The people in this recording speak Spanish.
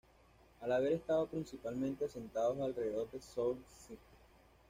Al haber estado principalmente asentados alrededor de Sault St.